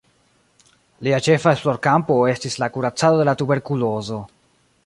Lia ĉefa esplorkampo estis la kuracado de la tuberkulozo.